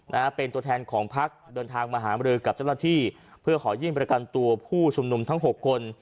นะเป็นตัวแทนของภักดิ์เดินทางมาหาบรญฐรณฯกับเจ้าหน้าที่เพื่อขอยืนบรรยาการตัวผู้ชุมนุมทั้ง๖คน